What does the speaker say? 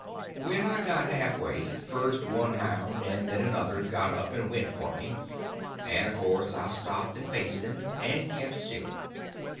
When I got half way, first one hound and then another got up and went for me, and of course I stopped and faced them, and kept still.